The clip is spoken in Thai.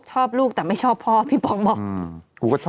ชอบลูกแต่ไม่ชอบพ่อพี่ป๋องบอก